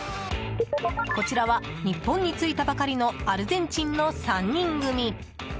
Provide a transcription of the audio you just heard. こちらは日本に着いたばかりのアルゼンチンの３人組。